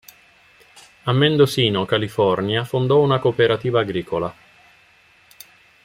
A Mendocino, California, fondò una cooperativa agricola.